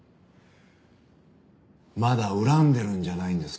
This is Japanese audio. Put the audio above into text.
まだ恨んでるんじゃないんですか？